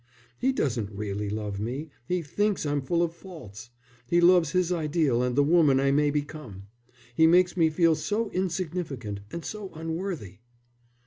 He doesn't really love me, he thinks I'm full of faults. He loves his ideal and the woman I may become. He makes me feel so insignificant and so unworthy."